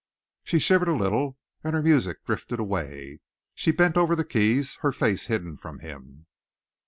She shivered a little, and her music drifted away. She bent over the keys, her face hidden from him.